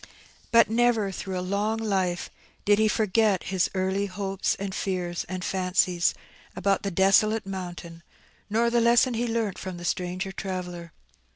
But never, through a long life, did he forget his early hopes, and fears, and fancies, about the desolate mountain, nor the lesson he learnt from the stranger traveller.